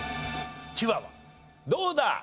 どうだ？